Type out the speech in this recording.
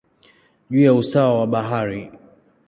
juu ya usawa wa bahari.